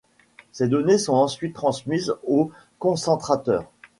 Ces données sont ensuite transmises au concentrateur.